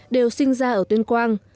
đều sinh ra ở tuyên quang